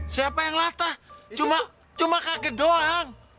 siapa yang latah cuma kaget doang